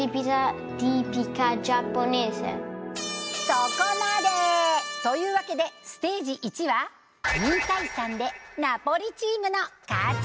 そこまで！というわけでステージ１は２対３でナポリチームの勝ち。